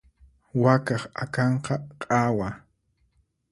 Wakaq akanqa q'awa.